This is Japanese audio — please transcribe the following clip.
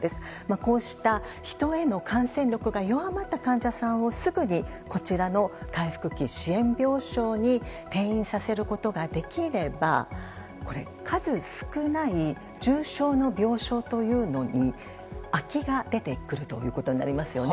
こうした、人への感染力が弱まった患者さんをすぐにこちらの回復期支援病床に転院させることができれば数少ない重症の病床というのに空きが出てくるということになりますよね。